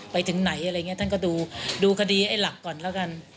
ไปถึงไหนอะไรอย่างนี้ท่านก็ดูดูคดีไอ้หลักก่อนแล้วกัน